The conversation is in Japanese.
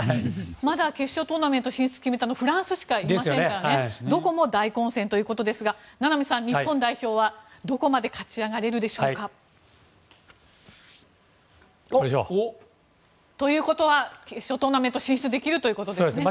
まだ決勝トーナメント進出を決めたのはフランスしかいませんからどこも大混戦ということですが名波さん、日本代表はどこまで勝ち上がれるでしょうか。ということは決勝トーナメント進出できるということですね。